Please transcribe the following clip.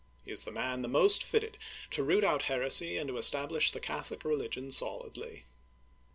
He is the man the most fitted to root out heresy, and to establish the Catholic religion solidly."